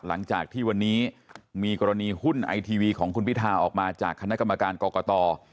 หลังจากที่วันนี้มีกรณีหุ้นไอทีวีของคุณพิธาออกมาจากคณะกรรมการกรกต